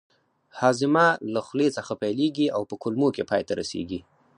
هاضمه له خولې څخه پیلیږي او په کولمو کې پای ته رسیږي